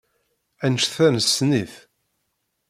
Annect-a nessen-it.